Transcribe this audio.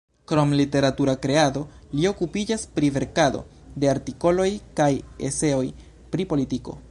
Krom literatura kreado, li okupiĝas pri verkado de artikoloj kaj eseoj pri politiko.